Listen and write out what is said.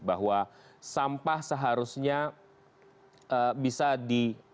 bahwa sampah seharusnya bisa di